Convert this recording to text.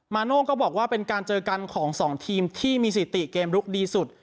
โน่งก็บอกว่าเป็นการเจอกันของสองทีมที่มีสิติเกมลุกดีสุด